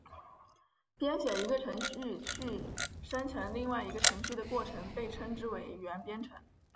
编写一个程序去生成另外一个程序的过程被称之为元编程。